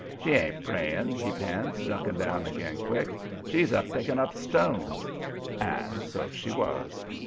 "'She ain't praying,' he pants, ducking down again quick. 'She's a picking up stones.' "And so she was.